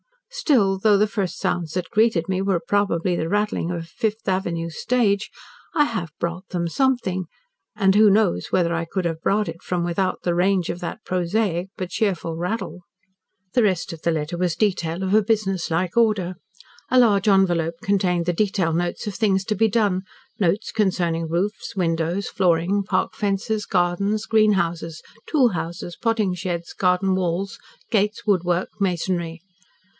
Still, though the first sounds that greeted me were probably the rattling of a Fifth Avenue stage, I have brought them SOMETHING, and who knows whether I could have brought it from without the range of that prosaic, but cheerful, rattle." The rest of the letter was detail of a business like order. A large envelope contained the detail notes of things to be done, notes concerning roofs, windows, flooring, park fences, gardens, greenhouses, tool houses, potting sheds, garden walls, gates, woodwork, masonry.